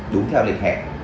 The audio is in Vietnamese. đúng theo lịch hẹn